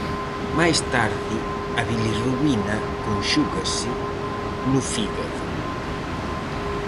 Máis tarde a bilirrubina conxúgase no fígado.